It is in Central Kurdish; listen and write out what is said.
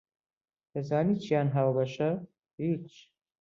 دەزانیت چیان هاوبەشە؟ هیچ!